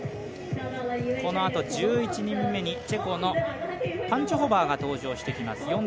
このあと、１１人目にチェコのパンチョホバーが登場してきます。